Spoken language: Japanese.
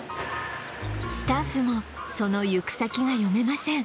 スタッフもその行く先が読めません